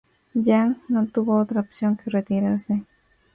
Yang no tuvo otra opción que retirarse.